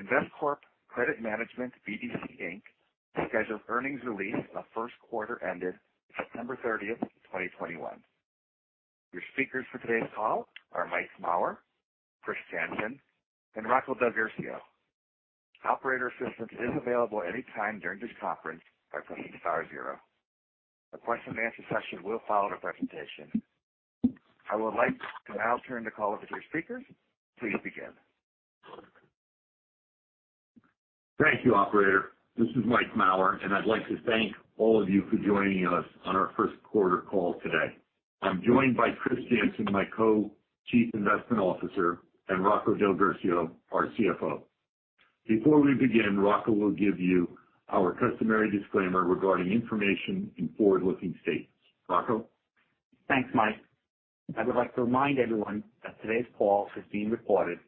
Investcorp Credit Management BDC, Inc.'s Scheduled Earnings Release for the first quarter ended September 30th, 2021. Your speakers for today's call are Mike Mauer, Chris Jansen, and Rocco DelGuercio. Operator assistance is available anytime during this conference by pressing star zero. The question-and-answer session will follow the presentation. I would like to now turn the call over to your speakers. Please begin. Thank you, operator. This is Mike Mauer, and I'd like to thank all of you for joining us on our first quarter call today. I'm joined by Chris Jansen, my Co-Chief Investment Officer, and Rocco DelGuercio, our Chief Financial Officer. Before we begin, Rocco will give you our customary disclaimer regarding information in forward-looking statements. Rocco. Thanks, Mike. I would like to remind everyone that today's call is being recorded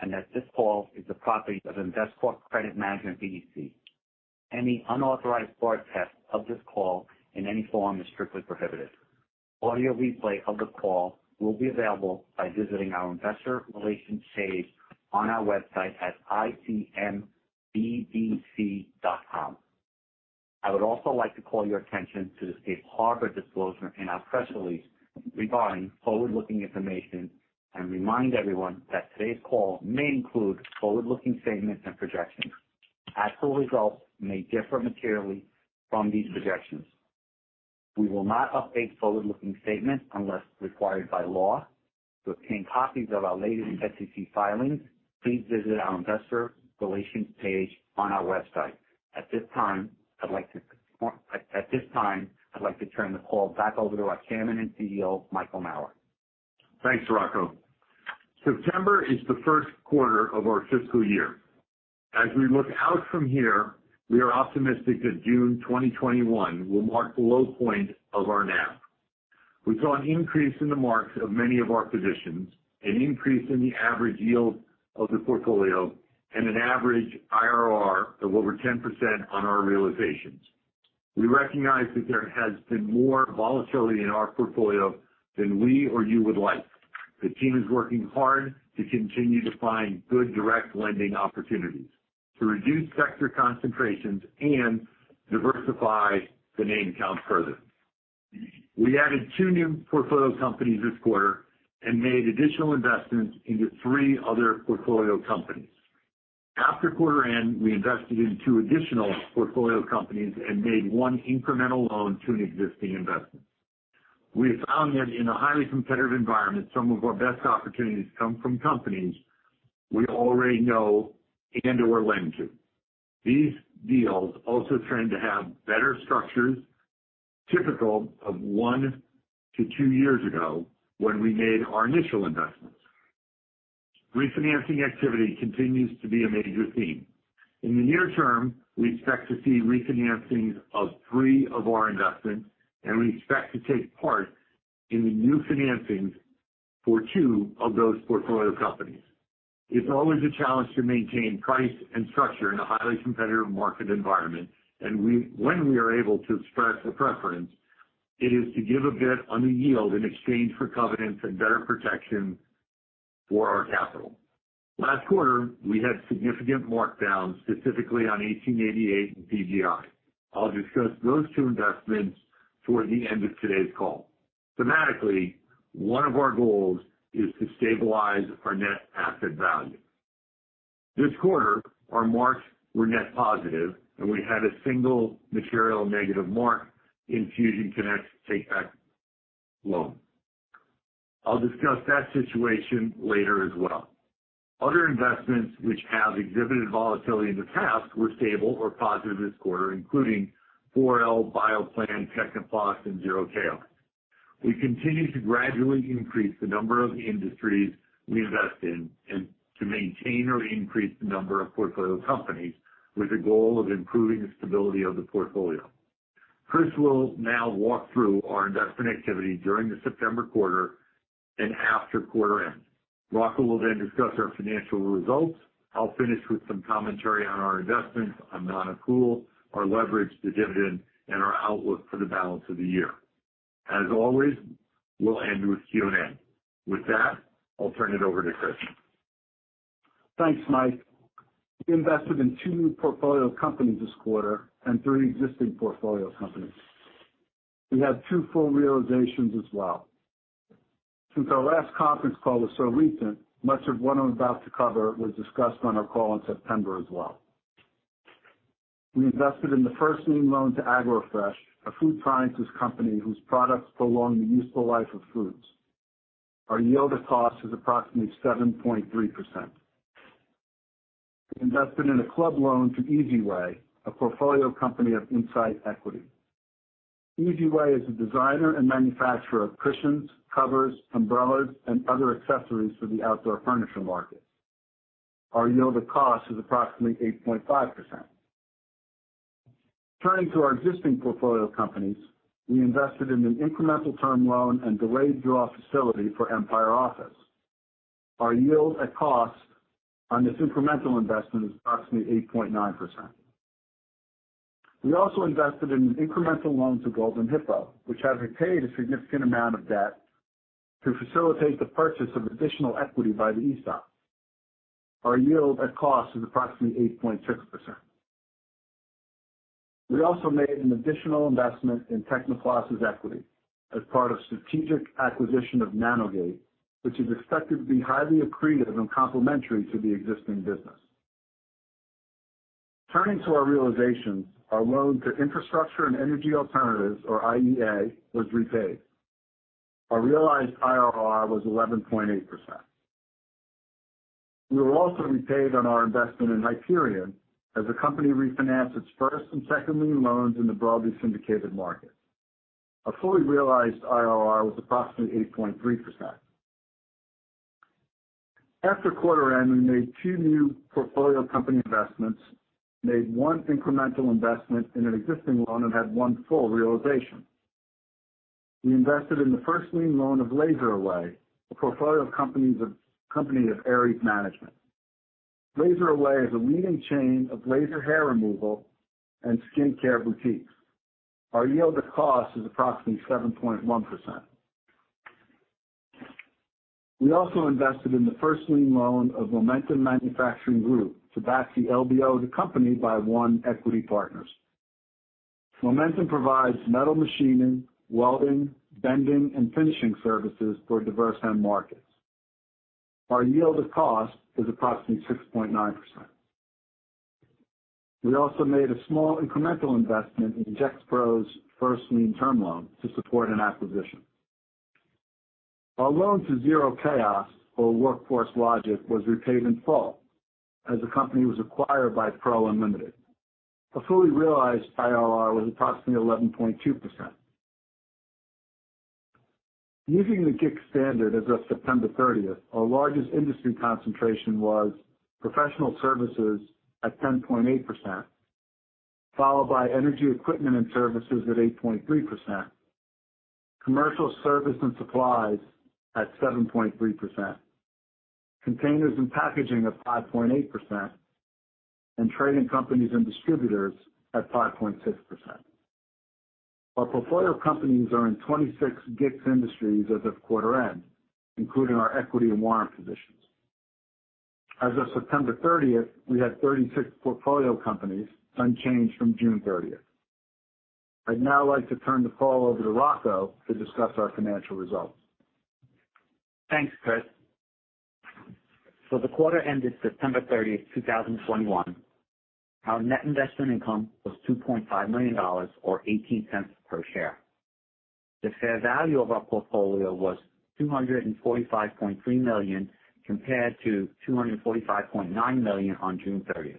and that this call is the property of Investcorp Credit Management BDC. Any unauthorized broadcast of this call in any form is strictly prohibited. Audio replay of the call will be available by visiting our investor relations page on our website at icmbdc.com. I would also like to call your attention to the safe harbor disclosure in our press release regarding forward-looking information and remind everyone that today's call may include forward-looking statements and projections. Actual results may differ materially from these projections. We will not update forward-looking statements unless required by law. To obtain copies of our latest SEC filings, please visit our investor relations page on our website. At this time, I'd like to turn the call back over to our Chairman and Chief Executive Officer, Michael Mauer. Thanks, Rocco. September is the first quarter of our fiscal year. As we look out from here, we are optimistic that June 2021 will mark the low point of our NAV. We saw an increase in the marks of many of our positions, an increase in the average yield of the portfolio, and an average IRR of over 10% on our realizations. We recognize that there has been more volatility in our portfolio than we or you would like. The team is working hard to continue to find good direct lending opportunities to reduce sector concentrations and diversify the name counts further. We added two new portfolio companies this quarter and made additional investments into three other portfolio companies. After quarter end, we invested in two additional portfolio companies and made one incremental loan to an existing investment. We have found that in a highly competitive environment, some of our best opportunities come from companies we already know and/or lend to. These deals also tend to have better structures typical of one to two years ago when we made our initial investments. Refinancing activity continues to be a major theme. In the near term, we expect to see refinancings of three of our investments, and we expect to take part in the new financings for two of those portfolio companies. It's always a challenge to maintain price and structure in a highly competitive market environment. When we are able to express a preference, it is to give a bit on the yield in exchange for covenants and better protection for our capital. Last quarter, we had significant markdowns, specifically on 1888 and PGi. I'll discuss those two investments toward the end of today's call. Thematically, one of our goals is to stabilize our net asset value. This quarter, our marks were net positive, and we had a single material negative mark in Fusion Connect's take-back loan. I'll discuss that situation later as well. Other investments which have exhibited volatility in the past were stable or positive this quarter, including 4L, Bioplan, Techniplas, and ZeroChaos. We continue to gradually increase the number of industries we invest in and to maintain or increase the number of portfolio companies with the goal of improving the stability of the portfolio. Chris will now walk through our investment activity during the September quarter and after quarter end. Rocco will then discuss our financial results. I'll finish with some commentary on our investments, investment pool, our leverage, the dividend, and our outlook for the balance of the year. As always, we'll end with Q&A. With that, I'll turn it over to Chris. Thanks, Mike. We invested in two new portfolio companies this quarter and three existing portfolio companies. We had two full realizations as well. Since our last conference call was so recent, much of what I'm about to cover was discussed on our call in September as well. We invested in the first lien loan to AgroFresh, a food sciences company whose products prolong the useful life of foods. Our yield of cost is approximately 7.3%. We invested in a club loan to Easy Way, a portfolio company of Insight Equity. Easy Way is a designer and manufacturer of cushions, covers, umbrellas, and other accessories for the outdoor furniture market. Our yield of cost is approximately 8.5%. Turning to our existing portfolio companies, we invested in an incremental term loan and delayed draw facility for Empire Office. Our yield at cost on this incremental investment is approximately 8.9%. We also invested in incremental loans of Golden Hippo, which has repaid a significant amount of debt to facilitate the purchase of additional equity by the ESOP. Our yield at cost is approximately 8.6%. We also made an additional investment in Techniplas's equity as part of strategic acquisition of Nanogate, which is expected to be highly accretive and complementary to the existing business. Turning to our realizations, our loan to Infrastructure and Energy Alternatives, or IEA, was repaid. Our realized IRR was 11.8%. We were also repaid on our investment in Hyperion as the company refinanced its first and second lien loans in the broadly syndicated market. A fully realized IRR was approximately 8.3%. After quarter end, we made two new portfolio company investments, made one incremental investment in an existing loan, and had one full realization. We invested in the first lien loan of LaserAway, a portfolio company of Ares Management. LaserAway is a leading chain of laser hair removal and skincare boutiques. Our yield of cost is approximately 7.1%. We also invested in the first lien loan of Momentum Manufacturing Group to back the LBO of the company by One Equity Partners. Momentum provides metal machining, welding, bending, and finishing services for diverse end markets. Our yield of cost is approximately 6.9%. We also made a small incremental investment in JetPay's first lien term loan to support an acquisition. Our loan to ZeroChaos or Workforce Logiq was repaid in full as the company was acquired by PRO Unlimited. A fully realized IRR was approximately 11.2%. Using the GICS standard as of September 30th, our largest industry concentration was professional services at 10.8%, followed by energy equipment and services at 8.3%, commercial service and supplies at 7.3%, containers and packaging at 5.8%, and trading companies and distributors at 5.6%. Our portfolio companies are in 26 GICS industries as of quarter end, including our equity and warrant positions. As of September 30th, we had 36 portfolio companies, unchanged from June 30. I'd now like to turn the call over to Rocco to discuss our financial results. Thanks, Chris. For the quarter ended September 30, 2021, our net investment income was $2.5 million or $0.18 per share. The fair value of our portfolio was $245.3 million compared to $245.9 million on June 30th.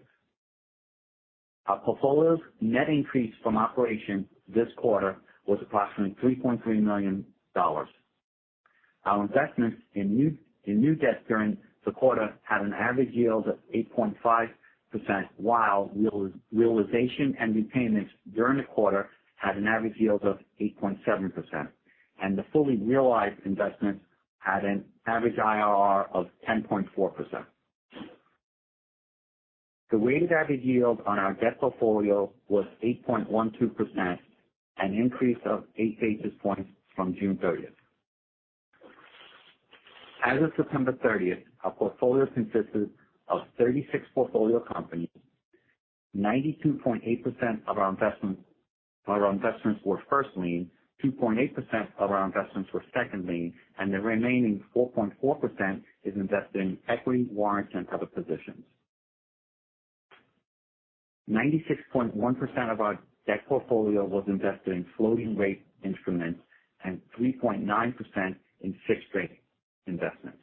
Our portfolio's net increase from operation this quarter was approximately $3.3 million. Our investments in new debt during the quarter had an average yield of 8.5%, while realization and repayments during the quarter had an average yield of 8.7%. The fully realized investments had an average IRR of 10.4%. The weighted average yield on our debt portfolio was 8.12%, an increase of eight basis points from June 30th. As of September 30th, our portfolio consisted of 36 portfolio companies. 92.8% of our investments were first lien, 2.8% of our investments were second lien, and the remaining 4.4% is invested in equity, warrants, and other positions. 96.1% of our debt portfolio was invested in floating rate instruments and 3.9% in fixed-rate investments.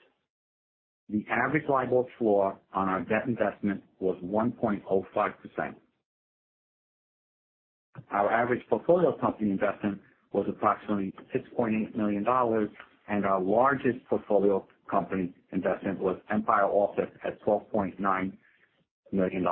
The average LIBOR floor on our debt investment was 1.05%. Our average portfolio company investment was approximately $6.8 million, and our largest portfolio company investment was Empire Office at $12.9 million.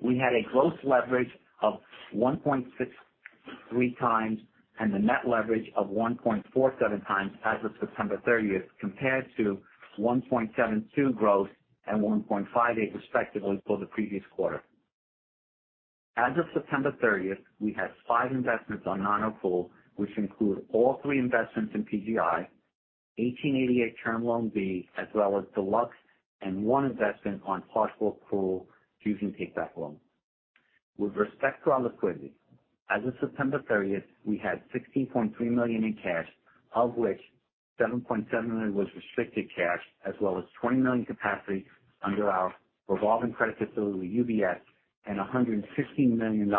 We had a gross leverage of 1.63x and a net leverage of 1.47x as of September 30th, compared to 1.72 gross and 1.58 respectively for the previous quarter. As of September 30th, we had five investments on non-accrual, which include all three investments in PGi, 1888 term loan B as well as Deluxe and one investment on partial accrual due to take-back loan. With respect to our liquidity, as of September 30th, we had $16.3 million in cash, of which $7.7 million was restricted cash, as well as $20 million capacity under our Revolving Credit Facility with UBS and $115 million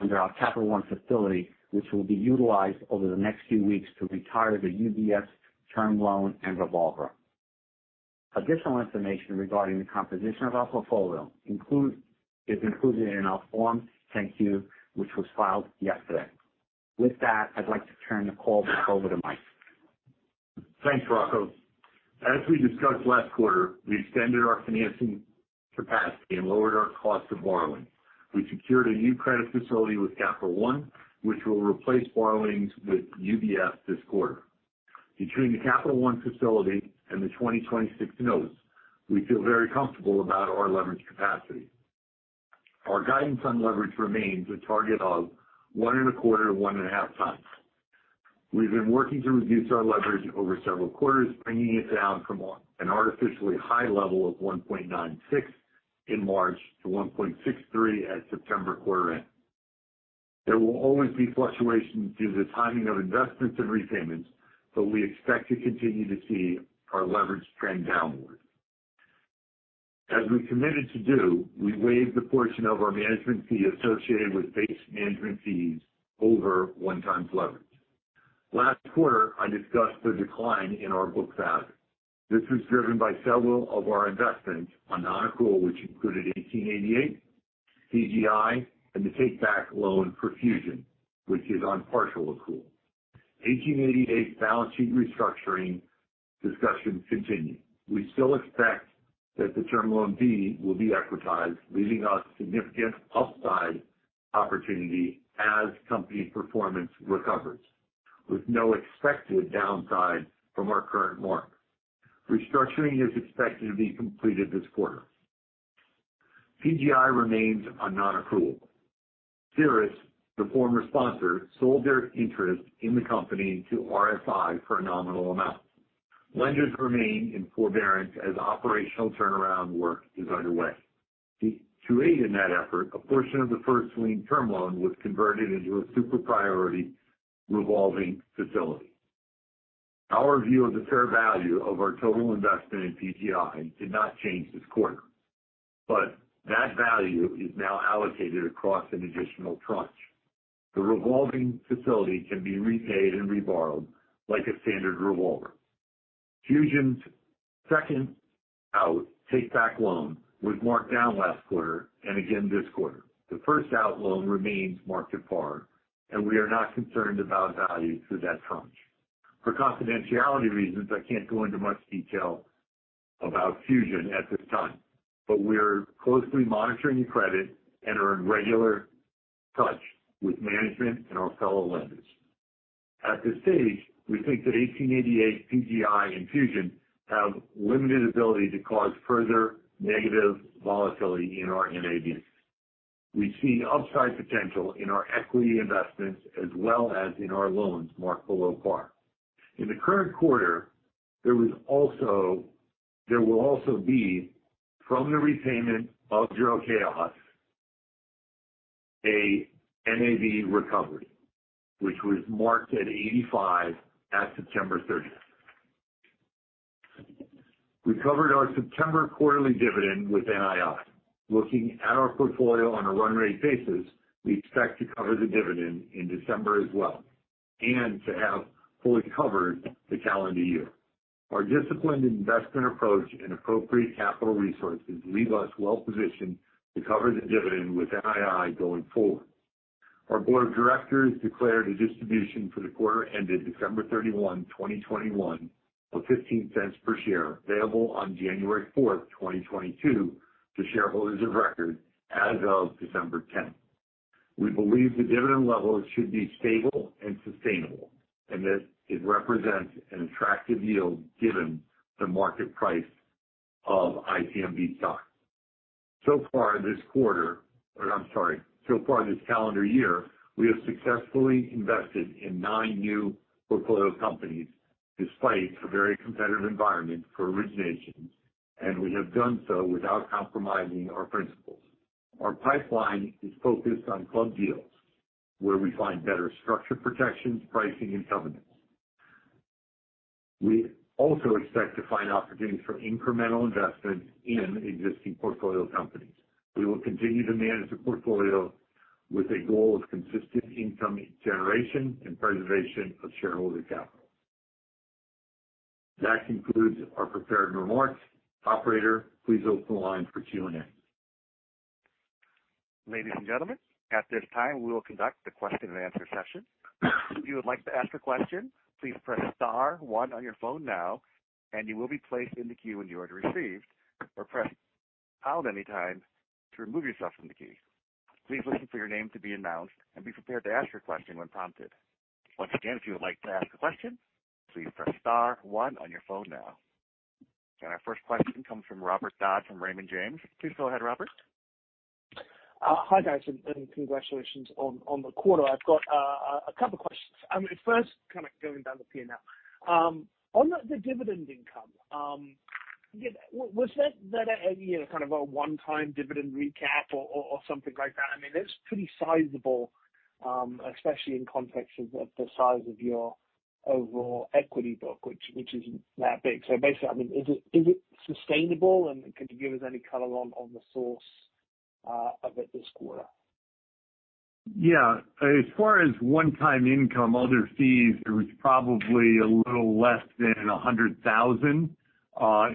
under our Capital One facility, which will be utilized over the next few weeks to retire the UBS term loan and revolver. Additional information regarding the composition of our portfolio is included in our Form 10-Q, which was filed yesterday. With that, I'd like to turn the call back over to Mike. Thanks, Rocco. As we discussed last quarter, we extended our financing capacity and lowered our cost of borrowing. We secured a new credit facility with Capital One, which will replace borrowings with UBS this quarter. Between the Capital One facility and the 2026 Notes, we feel very comfortable about our leverage capacity. Our guidance on leverage remains a target of 1.25x-1.5x. We've been working to reduce our leverage over several quarters, bringing it down from an artificially high level of 1.96 in March to 1.63 at September quarter end. There will always be fluctuations due to the timing of investments and repayments, but we expect to continue to see our leverage trend downward. As we committed to do, we waived the portion of our management fee associated with base management fees over 1x leverage. Last quarter, I discussed the decline in our book value. This was driven by several of our investments on non-accrual, which included 1888, PGi, and the take-back loan for Fusion, which is on partial accrual. 1888 balance sheet restructuring discussions continue. We still expect that the term loan B will be equitized, leaving us significant upside opportunity as company performance recovers with no expected downside from our current mark. Restructuring is expected to be completed this quarter. PGi remains on non-accrual. Siris, the former sponsor, sold their interest in the company to RSI for a nominal amount. Lenders remain in forbearance as operational turnaround work is underway. To aid in that effort, a portion of the first lien term loan was converted into a super priority revolving facility. Our view of the fair value of our total investment in PGi did not change this quarter, but that value is now allocated across an additional tranche. The revolving facility can be repaid and reborrowed like a standard revolver. Fusion's second out take-back loan was marked down last quarter and again this quarter. The first out loan remains marked at par, and we are not concerned about value to that tranche. For confidentiality reasons, I can't go into much detail about Fusion at this time, but we're closely monitoring the credit and are in regular touch with management and our fellow lenders. At this stage, we think that 1888, PGi, and Fusion have limited ability to cause further negative volatility in our NAV. We've seen upside potential in our equity investments as well as in our loans marked below par. In the current quarter, there will also be from the repayment of ZeroChaos a NAV recovery, which was marked at 85 at September 30. We covered our September quarterly dividend with NII. Looking at our portfolio on a run rate basis, we expect to cover the dividend in December as well and to have fully covered the calendar year. Our disciplined investment approach and appropriate capital resources leave us well positioned to cover the dividend with NII going forward. Our board of directors declared a distribution for the quarter ended December 31, 2021 of $0.15 per share, payable on January 4th, 2022 to shareholders of record as of December 10th. We believe the dividend level should be stable and sustainable, and that it represents an attractive yield given the market price of ICMB stock. So far this calendar year, we have successfully invested in nine new portfolio companies despite a very competitive environment for originations, and we have done so without compromising our principles. Our pipeline is focused on club deals where we find better structure protections, pricing, and covenants. We also expect to find opportunities for incremental investment in existing portfolio companies. We will continue to manage the portfolio with a goal of consistent income generation and preservation of shareholder capital. That concludes our prepared remarks. Operator, please open the line for Q&A. Ladies and gentlemen, at this time, we will conduct the question and answer session. If you would like to ask a question, please press star one on your phone now and you will be placed in the queue when you are received or press pound anytime to remove yourself from the queue. Please listen for your name to be announced and be prepared to ask your question when prompted. Once again, if you would like to ask a question, please press star one on your phone now. Our first question comes from Robert Dodd from Raymond James. Please go ahead, Robert. Hi, guys, and congratulations on the quarter. I've got a couple questions. First, kind of going down the P&L. On the dividend income, yeah, was that a, you know, kind of a one-time dividend recap or something like that? I mean, that's pretty sizable, especially in context of the size of your overall equity book, which isn't that big. So basically, I mean, is it sustainable? And could you give us any color on the source of it this quarter? Yeah. As far as one-time income, other fees, it was probably a little less than $100,000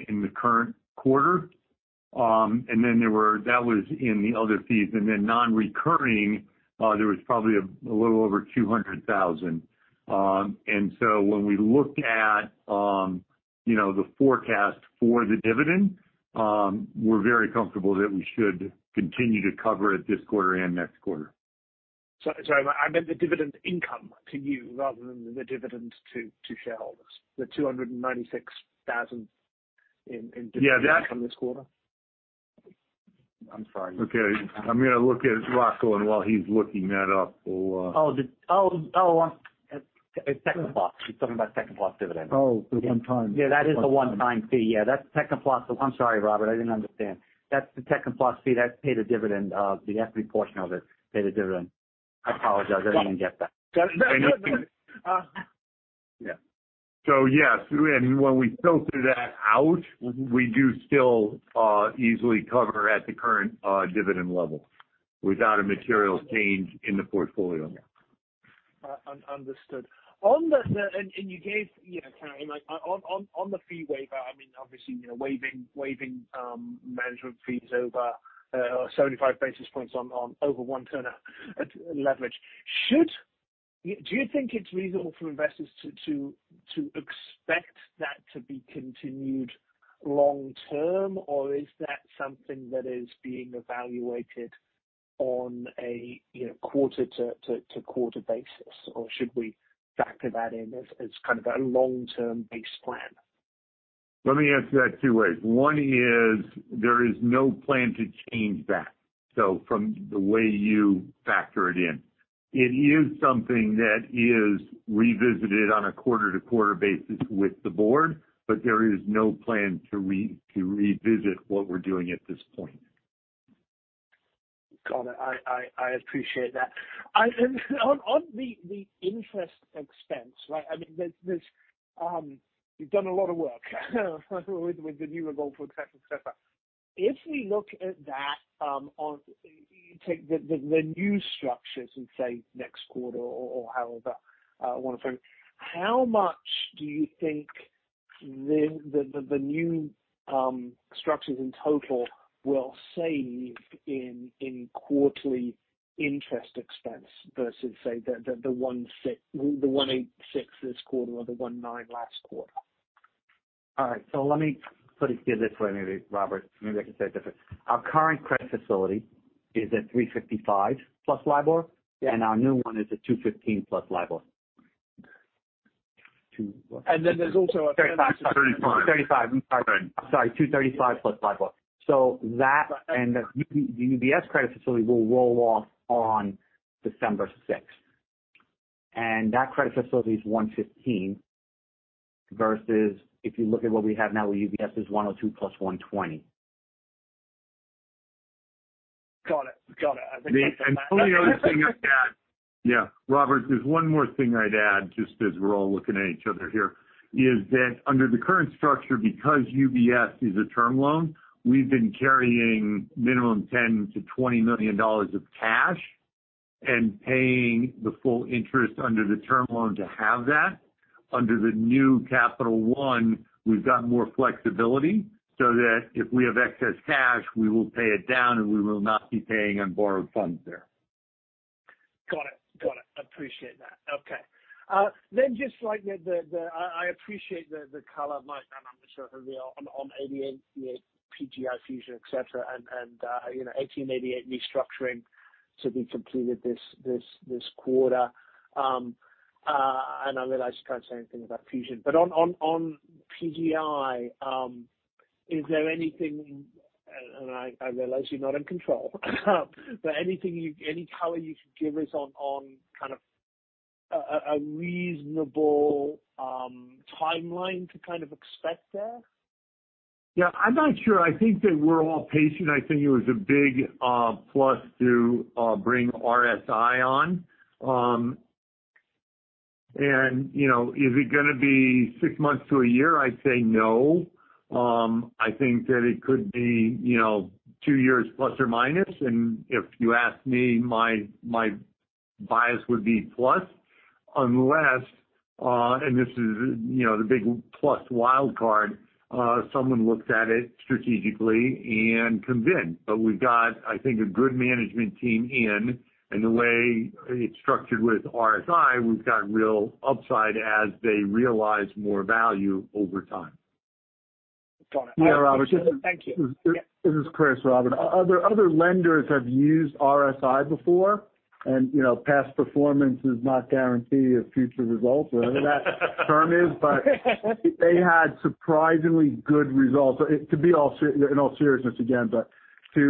in the current quarter. That was in the other fees. Non-recurring, there was probably a little over $200,000. When we look at you know, the forecast for the dividend, we're very comfortable that we should continue to cover it this quarter and next quarter. Sorry. I meant the dividend income to you rather than the dividend to shareholders. The $296,000 in dividends from this quarter. I'm sorry. Okay. I'm gonna look at Rocco, and while he's looking that up, we'll, It's Techniplas. He's talking about Techniplas dividends. Oh, the one-time. Yeah, that is a one-time fee. Yeah, that's Techniplas. I'm sorry, Robert, I didn't understand. That's the Techniplas fee that paid a dividend of the equity portion of it. I apologize. I didn't even get that. Got it. No, no. Yeah. Yes, and when we filter that out, we do still easily cover at the current dividend level without a material change in the portfolio. Understood. On the fee waiver, you gave, you know, color like on the fee waiver, I mean, obviously, you know, waiving management fees over 75 basis points on over one turn of leverage. Do you think it's reasonable for investors to expect that to be continued long-term, or is that something that is being evaluated on a, you know, quarter-to-quarter basis, or should we factor that in as kind of a long-term base plan? Let me answer that two ways. One is there is no plan to change that, so from the way you factor it in. It is something that is revisited on a quarter-to-quarter basis with the board, but there is no plan to revisit what we're doing at this point. Got it. I appreciate that. On the interest expense, right? I mean, you've done a lot of work with the new revolver, etc., etc. If we look at that on the new structures in, say, next quarter or however I wanna frame it, how much do you think the new structures in total will save in quarterly interest expense versus, say, the $1.86 this quarter or the $1.9 last quarter? All right. Let me put it this way, maybe Robert. Maybe I can say it different. Our current credit facility is at 355 + LIBOR, and our new one is at 215 + LIBOR. Two what? There's also a 35. 35. I'm sorry. Sorry. Sorry. 235 + LIBOR. That and the UBS credit facility will roll off on December 6th. That credit facility is 115 versus if you look at what we have now with UBS is 102 + 120. Got it. I think that's. The only other thing I'd add. Yeah. Robert, there's one more thing I'd add just as we're all looking at each other here, is that under the current structure, because UBS is a term loan, we've been carrying minimum $10 million-$20 million of cash and paying the full interest under the term loan to have that. Under the new Capital One, we've got more flexibility so that if we have excess cash, we will pay it down, and we will not be paying on borrowed funds there. Got it. Appreciate that. Okay. I appreciate the color, Mike, and I'm not sure where we are on 1888, PGi, Fusion, etc., and you know, 1888 restructuring to be completed this quarter. I realize you can't say anything about Fusion. On PGi, is there anything? I realize you're not in control. Any color you could give us on kind of a reasonable timeline to kind of expect there? Yeah. I'm not sure. I think that we're all patient. I think it was a big plus to bring RSI on. You know, is it gonna be six months to a year? I'd say no. I think that it could be, you know, two years plus or minus. If you ask me, my bias would be plus unless, and this is, you know, the big plus wild card, someone looks at it strategically and comes in. We've got, I think, a good management team in, and the way it's structured with RSI, we've got real upside as they realize more value over time. Got it. Yeah, Robert. Thank you. Yeah. This is Chris, Robert. Other lenders have used RSI before, and you know, past performance is not guarantee of future results, whatever that term is. They had surprisingly good results. In all seriousness again, they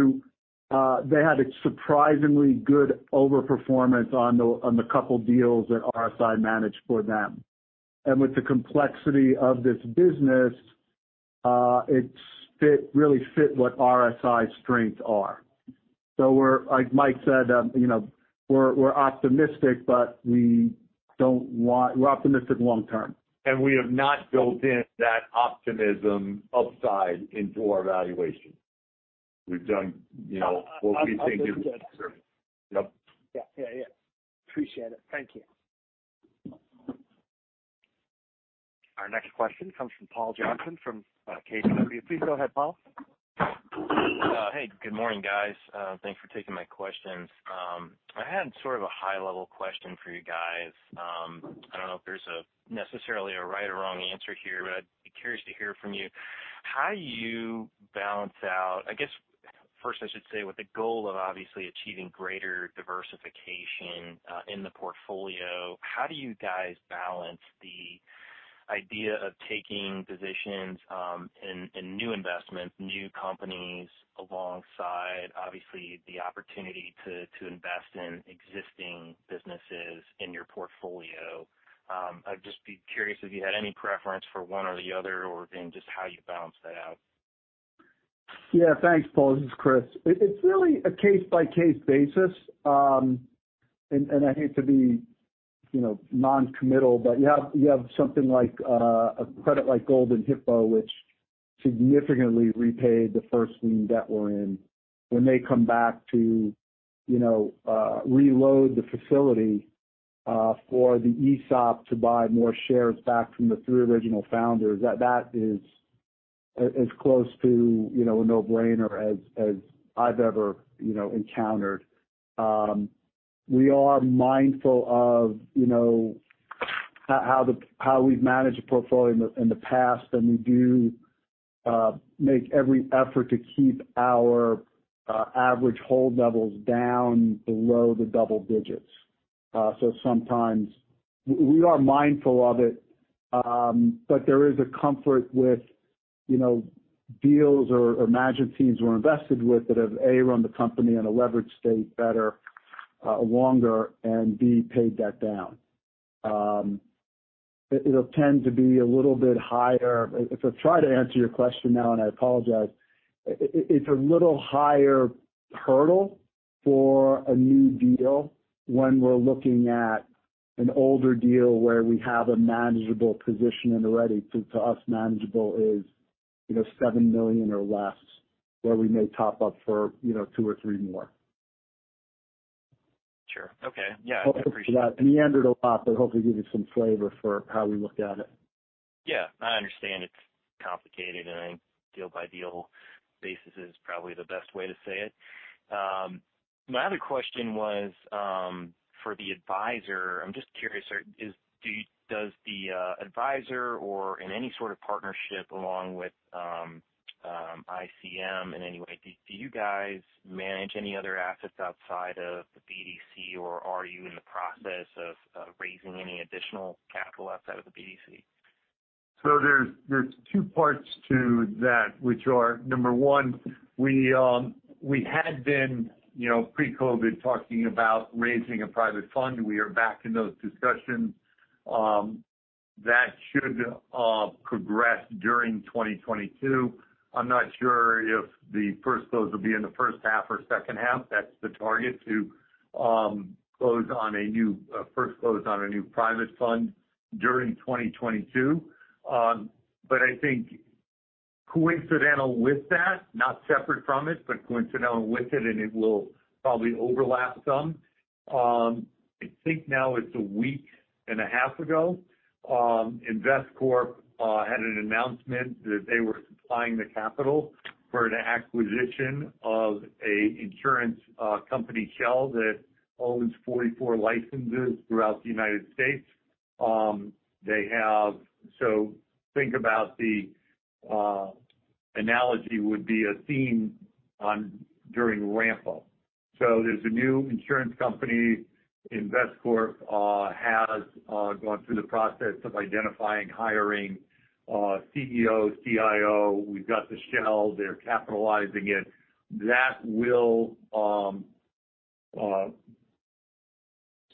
had a surprisingly good overperformance on the couple deals that RSI managed for them. With the complexity of this business, it fit really what RSI's strengths are. Like Mike said, you know, we're optimistic, but we don't want. We're optimistic long term. We have not built in that optimism upside into our valuation. We've done, you know, what we think is- Understood. Yep. Yeah. Yeah, yeah. Appreciate it. Thank you. Our next question comes from Paul Johnson from KBW. Please go ahead, Paul. Hey. Good morning, guys. Thanks for taking my questions. I had sort of a high level question for you guys. I don't know if there's necessarily a right or wrong answer here, but I'd be curious to hear from you. How do you balance out? I guess first I should say with the goal of obviously achieving greater diversification in the portfolio, how do you guys balance the idea of taking positions in new investments, new companies alongside obviously the opportunity to invest in existing businesses in your portfolio? I'd just be curious if you had any preference for one or the other or in just how you balance that out. Yeah. Thanks, Paul. This is Chris. It's really a case-by-case basis. And I hate to be, you know, non-committal, but you have something like a credit like Golden Hippo, which significantly repaid the first lien debt we're in. When they come back to, you know, reload the facility for the ESOP to buy more shares back from the three original founders, that is as close to, you know, a no-brainer as I've ever, you know, encountered. We are mindful of, you know, how we've managed the portfolio in the past, and we do make every effort to keep our average hold levels down below the double digits. Sometimes we are mindful of it, but there is a comfort with, you know, deals or management teams we're invested with that have, A, run the company in a leveraged state better, longer, and B, paid that down. It'll tend to be a little bit higher. To try to answer your question now, and I apologize, it's a little higher hurdle for a new deal when we're looking at an older deal where we have a manageable position already. To us, manageable is, you know, $7 million or less, where we may top up for, you know, $2 million or $3 million more. Sure. Okay. Yeah. I appreciate that. I meandered a lot, but hopefully give you some flavor for how we look at it. Yeah. I understand it's complicated and deal-by-deal basis is probably the best way to say it. My other question was for the advisor. I'm just curious, does the advisor or in any sort of partnership along with ICM in any way do you guys manage any other assets outside of the BDC or are you in the process of raising any additional capital outside of the BDC? There's two parts to that, which are, number one, we had been, you know, pre-COVID, talking about raising a private fund. We are back in those discussions. That should progress during 2022. I'm not sure if the first close will be in the first half or second half. That's the target to close on a first close on a new private fund during 2022. I think coincidental with that, not separate from it, but coincidental with it, and it will probably overlap some. I think now it's a week and a half ago, Investcorp had an announcement that they were supplying the capital for the acquisition of an insurance company shell that owns 44 licenses throughout the United States. Think about the analogy would be a team during ramp up. There's a new insurance company. Investcorp has gone through the process of identifying, hiring Chief Executive Officer, Chief Investment Officer. We've got the shell. They're capitalizing it. That will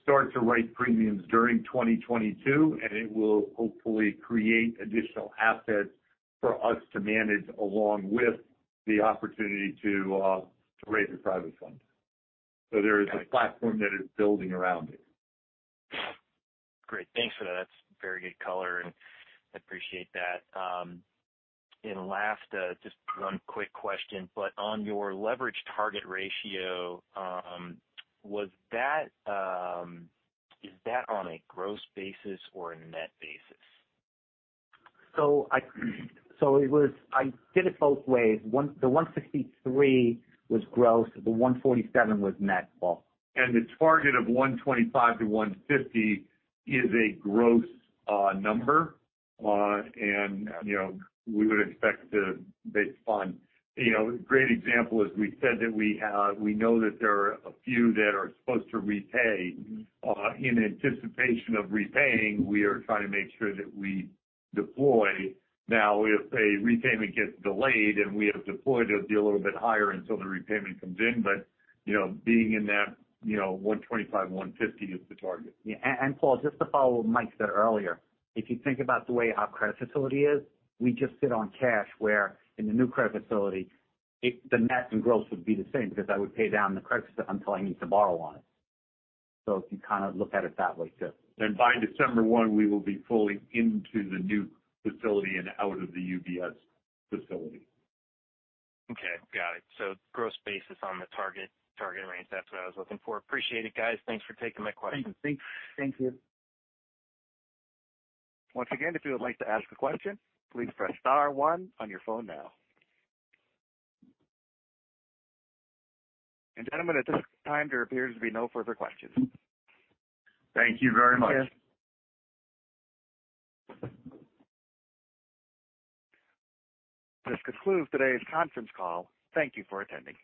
start to write premiums during 2022, and it will hopefully create additional assets for us to manage along with the opportunity to raise a private fund. There is a platform that is building around it. Great. Thanks for that. That's very good color, and I appreciate that. Last, just one quick question. On your leverage target ratio, is that on a gross basis or a net basis? I did it both ways. The 163 was gross, the 147 was net, Paul. Its target of 125-150 is a gross number. You know, we would expect to base fund. You know, a great example is we said that we know that there are a few that are supposed to repay. In anticipation of repaying, we are trying to make sure that we deploy. Now, if a repayment gets delayed and we have deployed, it'll be a little bit higher until the repayment comes in. You know, being in that 125-150 is the target. Yeah. Paul, just to follow what Mike said earlier, if you think about the way our credit facility is, we just sit on cash, where in the new credit facility, it, the net and gross would be the same because I would pay down the credit until I need to borrow on it. If you kind of look at it that way too. By December 1, we will be fully into the new facility and out of the UBS facility. Okay. Got it. Gross basis on the target range. That's what I was looking for. Appreciate it, guys. Thanks for taking my questions. Thank you. Thank you. Once again, if you would like to ask a question, please press star one on your phone now. Gentlemen, at this time, there appears to be no further questions. Thank you very much. Thank you. This concludes today's conference call. Thank you for attending.